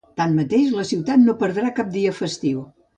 Tanmateix, la ciutat no perdrà cap dia festiu.